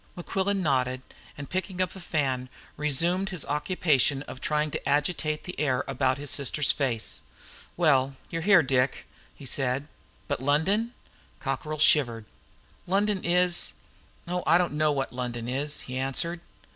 Mequillen nodded, and, picking up a fan, resumed his occupation of trying to agitate the air about his sister's face. "Well, you're here, Dick," he said. "But London?" Cockerlyne shivered. "London is oh, I don't know what London is!" he answered.